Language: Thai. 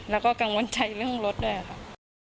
แล้วก็กังวลใจเรื่องรถด้วยค่ะ